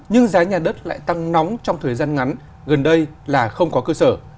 nhưng giá nhà đất lại tăng nóng trong thời gian ngắn gần đây là không có cơ sở